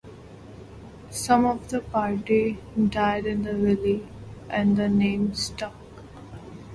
Some of the party died in the valley and the name stuck.